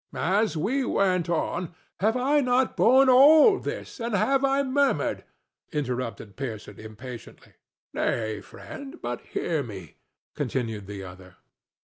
As we went on—" "Have I not borne all this, and have I murmured?" interrupted Pearson, impatiently. "Nay, friend, but hear me," continued the other.